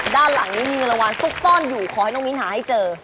ด้านหลังนี้มีเมลวานซุกต้อนอยู่ขอให้น้องมีนหาให้เจอ